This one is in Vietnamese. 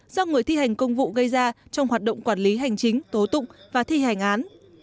do người thi hành công vụ gây ra trong hoạt động quản lý hành chính tố tụng và thi hành án